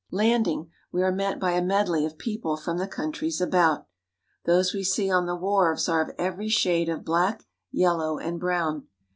Landing, we are met by a medley of people from the countries about. Those we see on the wharves are of every shade of black, yellow, and brown.